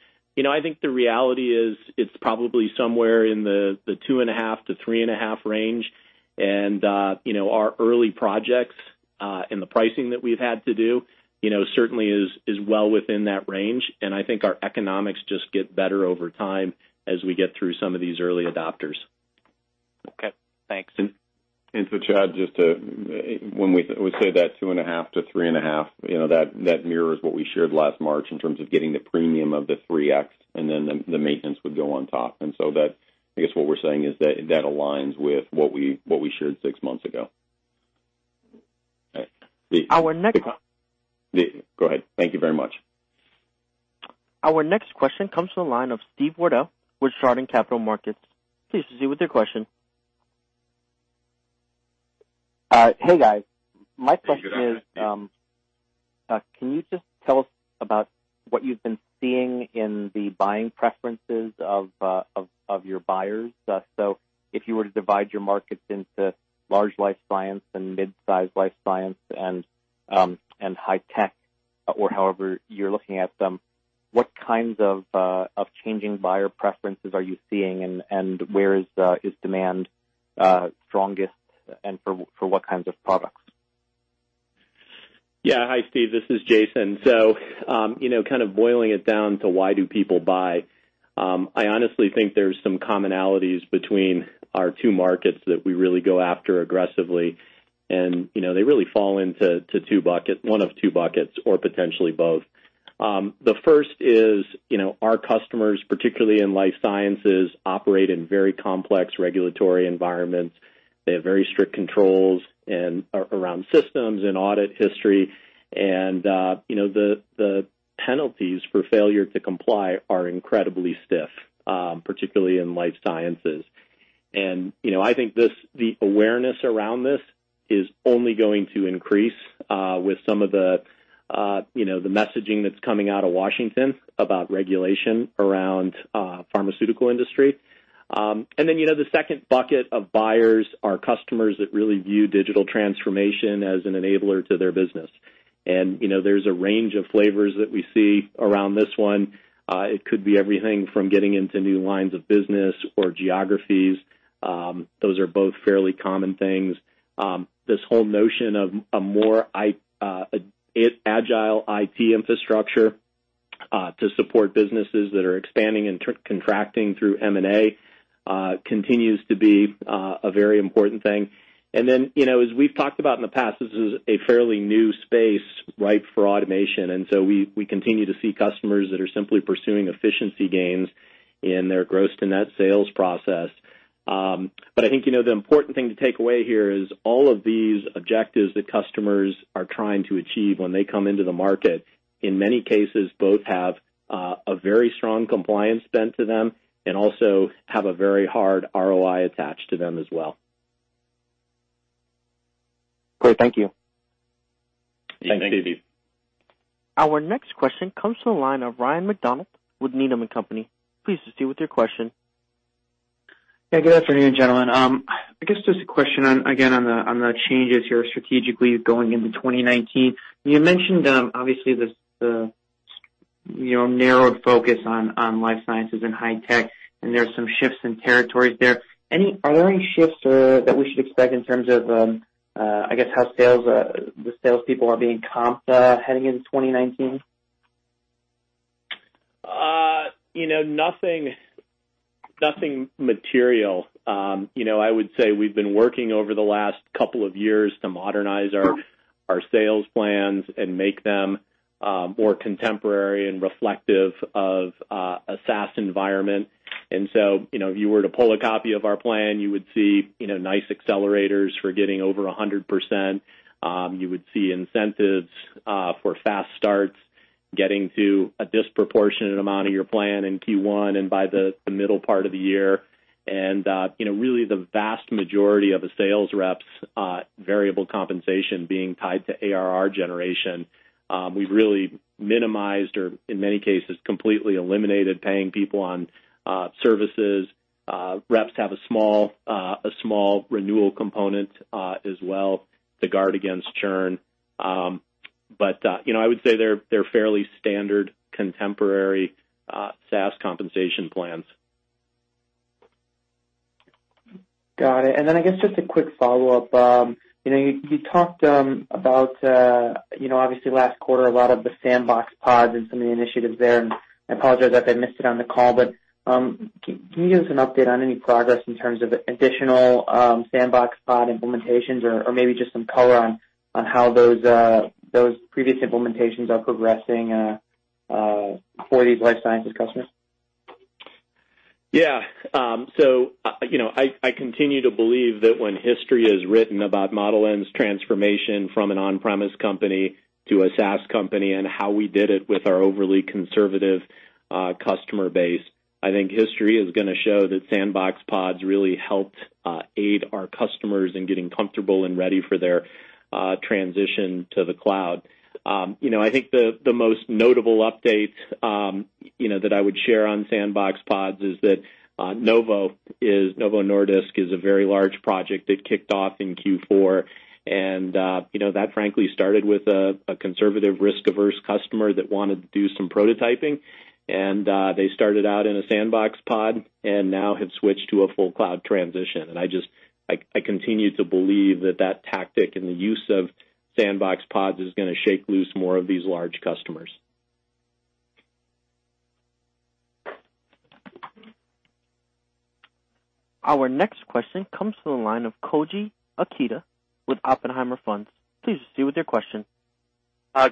Speaker 3: I think the reality is it's probably somewhere in the 2.5 to 3.5 range, our early projects, and the pricing that we've had to do, certainly is well within that range. I think our economics just get better over time as we get through some of these early adopters.
Speaker 5: Okay, thanks.
Speaker 2: Chad, when we say that two and a half to three and a half, that mirrors what we shared last March in terms of getting the premium of the 3x and then the maintenance would go on top. That, I guess what we're saying is that aligns with what we shared six months ago.
Speaker 5: Our next-
Speaker 2: Go ahead. Thank you very much.
Speaker 1: Our next question comes from the line of Steve Wardell with Schroders Capital Markets. Please proceed with your question.
Speaker 6: Hey, guys. My question is.
Speaker 2: Hey, good afternoon, Steve.
Speaker 6: Can you just tell us about what you've been seeing in the buying preferences of your buyers? If you were to divide your markets into large Life Sciences and mid-size Life Sciences and High Tech, or however you're looking at them, what kinds of changing buyer preferences are you seeing, and where is demand strongest, and for what kinds of products?
Speaker 3: Hi, Steve, this is Jason. Kind of boiling it down to why do people buy? I honestly think there's some commonalities between our two markets that we really go after aggressively, and they really fall into one of two buckets, or potentially both. The first is our customers, particularly in Life Sciences, operate in very complex regulatory environments. They have very strict controls around systems and audit history and the penalties for failure to comply are incredibly stiff, particularly in Life Sciences. I think the awareness around this is only going to increase with some of the messaging that's coming out of Washington about regulation around pharmaceutical industry. The second bucket of buyers are customers that really view digital transformation as an enabler to their business. And there's a range of flavors that we see around this one. It could be everything from getting into new lines of business or geographies. Those are both fairly common things. This whole notion of a more agile IT infrastructure to support businesses that are expanding and contracting through M&A continues to be a very important thing. As we've talked about in the past, this is a fairly new space ripe for automation, we continue to see customers that are simply pursuing efficiency gains in their gross to net sales process. I think, the important thing to take away here is all of these objectives that customers are trying to achieve when they come into the market, in many cases, both have a very strong compliance bent to them and also have a very hard ROI attached to them as well.
Speaker 6: Great. Thank you.
Speaker 3: Thanks, David.
Speaker 1: Our next question comes from the line of Ryan MacDonald with Needham & Company. Please proceed with your question.
Speaker 7: Good afternoon, gentlemen. I guess just a question again on the changes here strategically going into 2019. You mentioned, obviously, the narrowed focus on life sciences and high tech, and there's some shifts in territories there. Are there any shifts that we should expect in terms of, I guess, how the salespeople are being comped heading into 2019?
Speaker 3: Nothing material. I would say we've been working over the last couple of years to modernize our sales plans and make them more contemporary and reflective of a SaaS environment. If you were to pull a copy of our plan, you would see nice accelerators for getting over 100%. You would see incentives for fast starts, getting to a disproportionate amount of your plan in Q1 and by the middle part of the year. Really the vast majority of a sales rep's variable compensation being tied to ARR generation. We've really minimized or, in many cases, completely eliminated paying people on services. Reps have a small renewal component as well to guard against churn. I would say they're fairly standard contemporary SaaS compensation plans.
Speaker 7: Got it. Then I guess just a quick follow-up. You talked about, obviously last quarter, a lot of the sandbox pods and some of the initiatives there, I apologize I missed it on the call, but can you give us an update on any progress in terms of additional sandbox pod implementations or maybe just some color on how those previous implementations are progressing for these life sciences customers?
Speaker 3: I continue to believe that when history is written about Model N's transformation from an on-premise company to a SaaS company and how we did it with our overly conservative customer base, I think history is going to show that sandbox pods really helped aid our customers in getting comfortable and ready for their transition to the cloud. I think the most notable update that I would share on sandbox pods is that Novo Nordisk is a very large project that kicked off in Q4. That frankly started with a conservative, risk-averse customer that wanted to do some prototyping. They started out in a sandbox pod and now have switched to a full cloud transition. I continue to believe that tactic and the use of sandbox pods is going to shake loose more of these large customers.
Speaker 1: Our next question comes from the line of Koji Ikeda with Oppenheimer & Co. Please proceed with your question.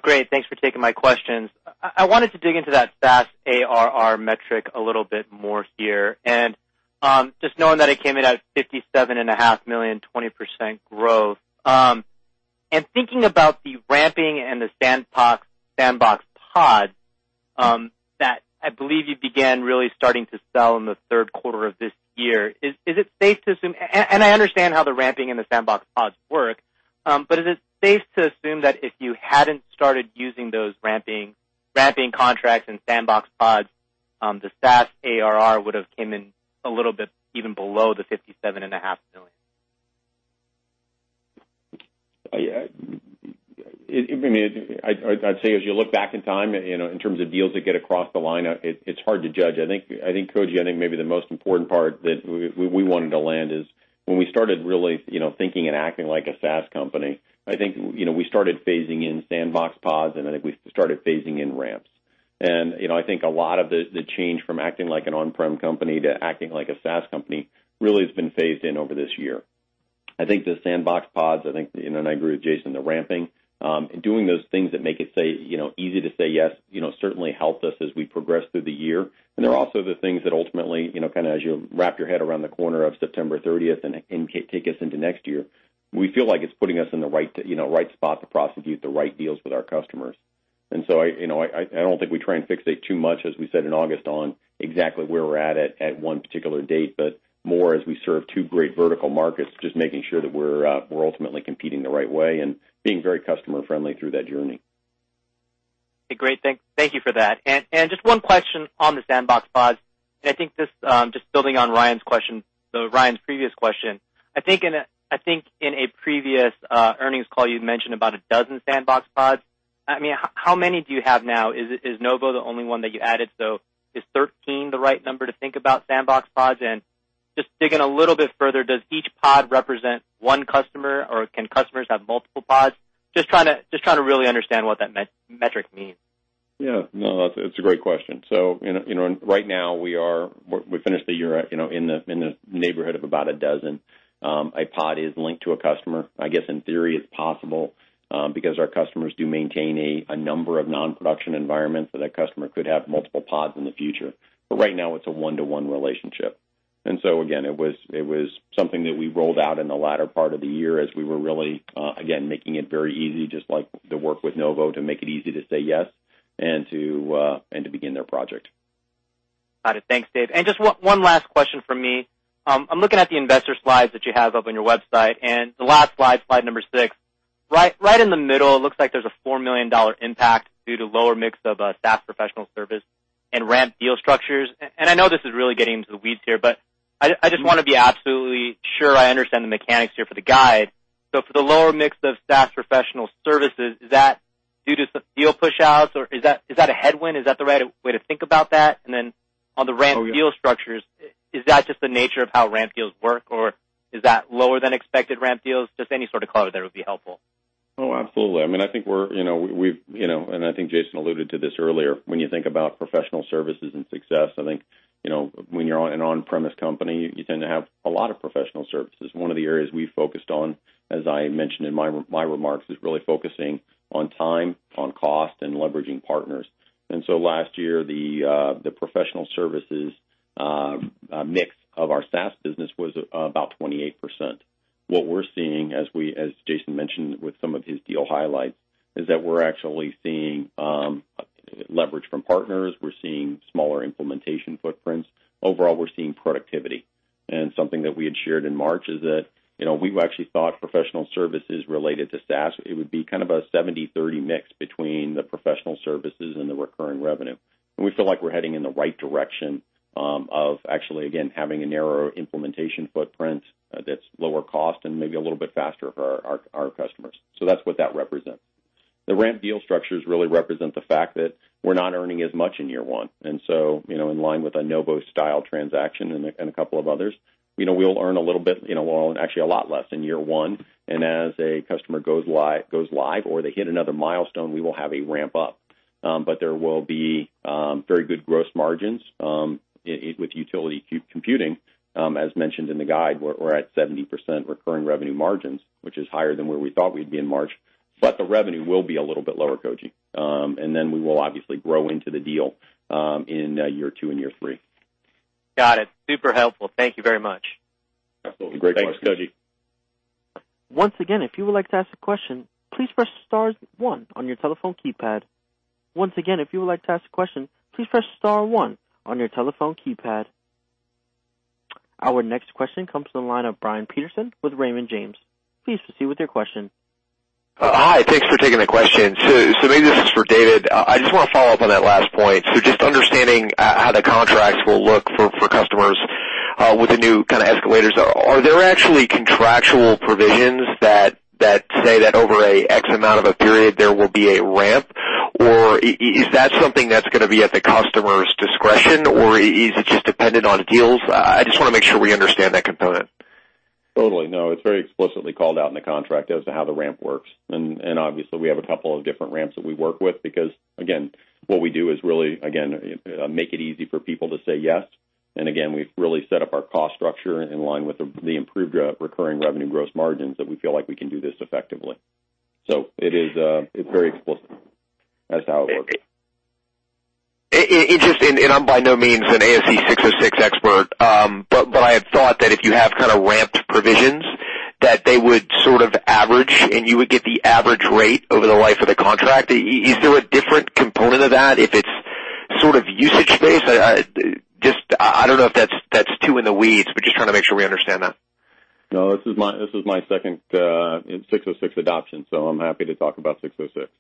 Speaker 8: Great. Thanks for taking my questions. I wanted to dig into that SaaS ARR metric a little bit more here. Just knowing that it came in at $57.5 million, 20% growth. Thinking about the ramping and the sandbox pods, that I believe you began really starting to sell in the third quarter of this year. I understand how the ramping and the sandbox pods work. Is it safe to assume that if you hadn't started using those ramping contracts and sandbox pods, the SaaS ARR would have came in a little bit even below the $57.5 million?
Speaker 2: I'd say as you look back in time, in terms of deals that get across the line, it's hard to judge. Koji, I think maybe the most important part that we wanted to land is when we started really thinking and acting like a SaaS company, I think we started phasing in sandbox pods, and I think we started phasing in ramps. I think a lot of the change from acting like an on-prem company to acting like a SaaS company really has been phased in over this year. I think the sandbox pods, and I agree with Jason, the ramping, doing those things that make it easy to say yes certainly helped us as we progressed through the year.
Speaker 3: They're also the things that ultimately, kind of as you wrap your head around the corner of September 30th and take us into next year, we feel like it's putting us in the right spot to prosecute the right deals with our customers. I don't think we try and fixate too much, as we said in August, on exactly where we're at at one particular date, but more as we serve two great vertical markets, just making sure that we're ultimately competing the right way and being very customer-friendly through that journey.
Speaker 8: Thank you for that. Just one question on the sandbox pods, and I think this, just building on Ryan's previous question. I think in a previous earnings call, you mentioned about a dozen sandbox pods. How many do you have now? Is Novo the only one that you added? Is 13 the right number to think about sandbox pods? Just digging a little bit further, does each pod represent one customer, or can customers have multiple pods? Just trying to really understand what that metric means.
Speaker 2: Yeah, no, it's a great question. Right now we finished the year in the neighborhood of about a dozen. A pod is linked to a customer. I guess in theory, it's possible, because our customers do maintain a number of non-production environments, that a customer could have multiple pods in the future. But right now, it's a one-to-one relationship. Again, it was something that we rolled out in the latter part of the year as we were really, again, making it very easy, just like the work with Novo, to make it easy to say yes, and to begin their project.
Speaker 8: Got it. Thanks, David. Just one last question from me. I'm looking at the investor slides that you have up on your website, and the last slide number six. Right in the middle, it looks like there's a $4 million impact due to lower mix of SaaS professional service and ramp deal structures. I know this is really getting into the weeds here, but I just want to be absolutely sure I understand the mechanics here for the guide. For the lower mix of SaaS professional services, is that due to some deal push-outs? Is that a headwind? Is that the right way to think about that? On the ramp deal structures, is that just the nature of how ramp deals work, or is that lower than expected ramp deals? Just any sort of color there would be helpful.
Speaker 2: Oh, absolutely. I think Jason alluded to this earlier, when you think about professional services and success, I think, when you're an on-premise company, you tend to have a lot of professional services. One of the areas we focused on, as I mentioned in my remarks, is really focusing on time, on cost, and leveraging partners. Last year, the professional services mix of our SaaS business was about 28%. What we're seeing, as Jason mentioned with some of his deal highlights, is that we're actually seeing leverage from partners. We're seeing smaller implementation footprints. Overall, we're seeing productivity. Something that we had shared in March is that, we actually thought professional services related to SaaS, it would be kind of a 70/30 mix between the professional services and the recurring revenue. We feel like we're heading in the right direction of actually, again, having a narrower implementation footprint that's lower cost and maybe a little bit faster for our customers. That's what that represents. The ramp deal structures really represent the fact that we're not earning as much in year one. In line with a Novo-style transaction and a couple of others, we'll earn a little bit, well, actually a lot less in year one. As a customer goes live or they hit another milestone, we will have a ramp-up. There will be very good gross margins, with utility computing. As mentioned in the guide, we're at 70% recurring revenue margins, which is higher than where we thought we'd be in March, but the revenue will be a little bit lower, Koji. We will obviously grow into the deal, in year two and year three.
Speaker 8: Got it. Super helpful. Thank you very much.
Speaker 2: Absolutely. Great question.
Speaker 1: Once again, if you would like to ask a question, please press star one on your telephone keypad. Once again, if you would like to ask a question, please press star one on your telephone keypad. Our next question comes from the line of Brian Peterson with Raymond James. Please proceed with your question.
Speaker 9: Hi. Thanks for taking the question. Maybe this is for David. I just want to follow up on that last point. Just understanding how the contracts will look for customers, with the new kind of escalators. Are there actually contractual provisions that say that over a x amount of a period, there will be a ramp, or is that something that's going to be at the customer's discretion, or is it just dependent on deals? I just want to make sure we understand that component.
Speaker 2: Totally. No, it's very explicitly called out in the contract as to how the ramp works. Obviously, we have a couple of different ramps that we work with because, again, what we do is really, again, make it easy for people to say yes. Again, we've really set up our cost structure in line with the improved recurring revenue gross margins that we feel like we can do this effectively. It's very explicit as to how it works.
Speaker 9: I'm by no means an ASC 606 expert. I had thought that if you have kind of ramped provisions, that they would sort of average, and you would get the average rate over the life of the contract. Is there a different component of that if it's sort of usage-based? I don't know if that's too in the weeds, but just trying to make sure we understand that.
Speaker 2: No, this is my second ASC 606 adoption, so I'm happy to talk about ASC 606.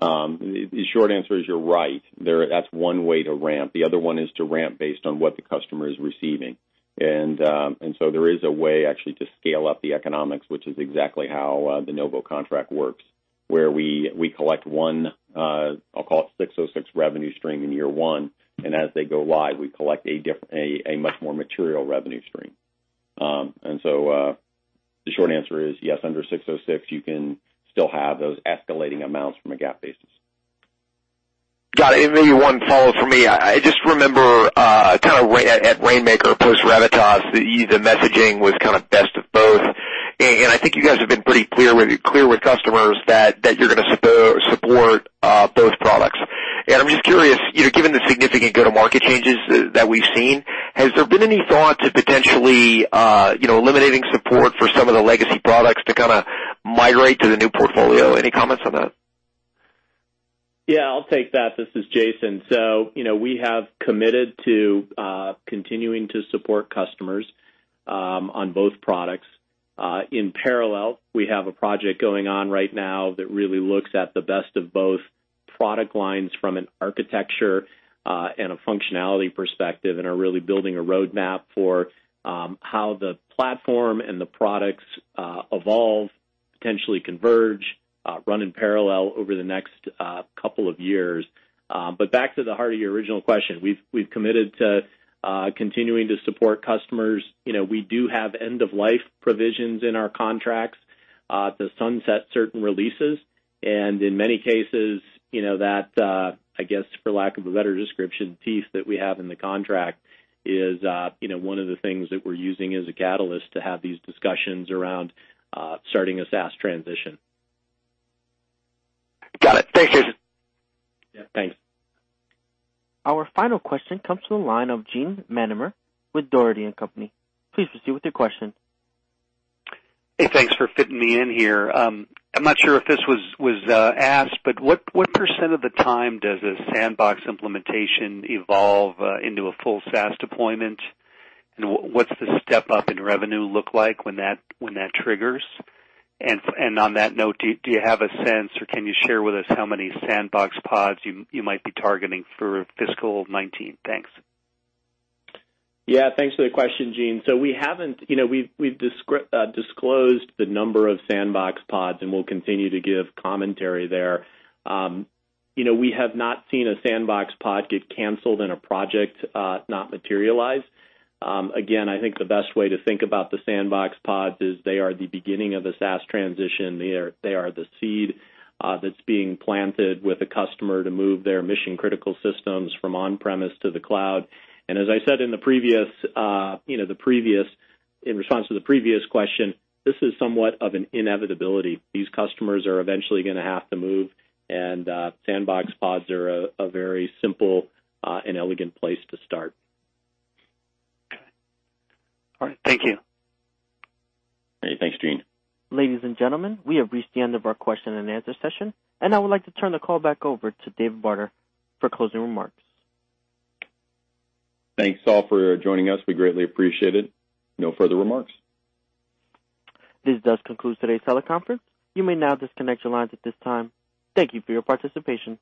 Speaker 2: The short answer is you're right. That's one way to ramp. The other one is to ramp based on what the customer is receiving. There is a way actually to scale up the economics, which is exactly how the Novo contract works, where we collect one, I'll call it ASC 606 revenue stream in year one, and as they go live, we collect a much more material revenue stream. The short answer is yes, under ASC 606, you can still have those escalating amounts from a GAAP basis.
Speaker 9: Got it. Maybe one follow from me. I just remember, kind of at Rainmaker post-Revitas, the messaging was kind of best of both. I think you guys have been pretty clear with customers that you're going to support both products. I'm just curious, given the significant go-to-market changes that we've seen, has there been any thought to potentially eliminating support for some of the legacy products to kind of migrate to the new portfolio? Any comments on that?
Speaker 3: I'll take that. This is Jason. We have committed to continuing to support customers on both products. In parallel, we have a project going on right now that really looks at the best of both product lines from an architecture and a functionality perspective, and are really building a roadmap for how the platform and the products evolve, potentially converge, run in parallel over the next couple of years. Back to the heart of your original question, we've committed to continuing to support customers. We do have end-of-life provisions in our contracts to sunset certain releases. In many cases, that, I guess, for lack of a better description, teeth that we have in the contract is one of the things that we're using as a catalyst to have these discussions around starting a SaaS transition.
Speaker 9: Got it. Thanks, Jason.
Speaker 3: Yeah, thanks.
Speaker 1: Our final question comes from the line of Gene Mannheimer with Dougherty & Company. Please proceed with your question.
Speaker 10: Hey, thanks for fitting me in here. I'm not sure if this was asked, but what % of the time does a sandbox implementation evolve into a full SaaS deployment? What's the step up in revenue look like when that triggers? On that note, do you have a sense, or can you share with us how many sandbox pods you might be targeting for fiscal 2019? Thanks.
Speaker 3: Yeah. Thanks for the question, Gene. We've disclosed the number of sandbox pods, and we'll continue to give commentary there. We have not seen a sandbox pod get canceled and a project not materialize. Again, I think the best way to think about the sandbox pods is they are the beginning of a SaaS transition. They are the seed that's being planted with a customer to move their mission-critical systems from on-premise to the cloud. As I said in response to the previous question, this is somewhat of an inevitability. These customers are eventually going to have to move, and sandbox pods are a very simple and elegant place to start.
Speaker 10: Got it. All right, thank you.
Speaker 3: Hey, thanks, Gene.
Speaker 1: Ladies and gentlemen, we have reached the end of our question and answer session, and I would like to turn the call back over to David Barter for closing remarks.
Speaker 2: Thanks all for joining us. We greatly appreciate it. No further remarks.
Speaker 1: This does conclude today's teleconference. You may now disconnect your lines at this time. Thank you for your participation.